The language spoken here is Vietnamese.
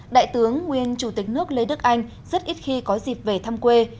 đại tướng nguyên chủ tịch nước lê đức anh rất ít khi có dịp về thăm quê